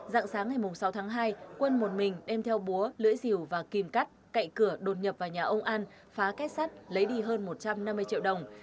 rạng sáng ngày sáu tháng hai quân một mình đem theo búa lưỡi dìu và kim cắt cậy cửa đột nhập vào nhà ông an phá két sắt lấy đi hơn một trăm năm mươi triệu đồng